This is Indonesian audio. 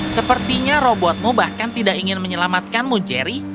sepertinya robotmu bahkan tidak ingin menyelamatkanmu jerry